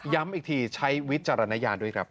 อีกทีใช้วิจารณญาณด้วยครับ